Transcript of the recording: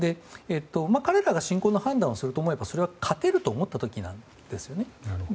彼らが侵攻の判断をするとしたら勝てると思った時なんですよね。